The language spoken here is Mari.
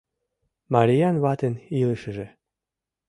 Мариян ватын илышыже